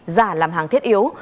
giả làm hàng thiết yếu